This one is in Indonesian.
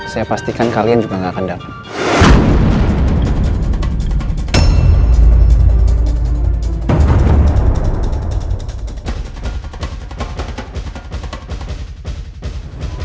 saya pastikan kalian juga gak akan datang